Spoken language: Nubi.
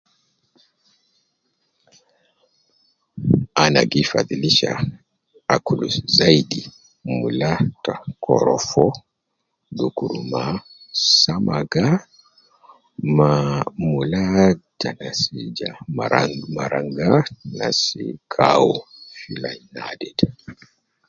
Ana gi fadhilisha akulu zaidi mula ta korofo dukur ma samaga ma mula ta nas ja mara marangwa nasi kawo, fi line naade de